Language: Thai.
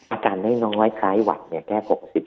อาการน้อยคล้ายหวัดแค่๖๐